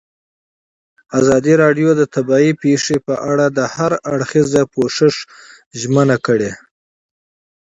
ازادي راډیو د طبیعي پېښې په اړه د هر اړخیز پوښښ ژمنه کړې.